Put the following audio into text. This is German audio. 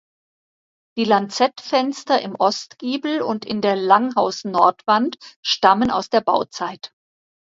Die Lanzettfenster im Ostgiebel und in der Langhausnordwand stammen aus der Bauzeit.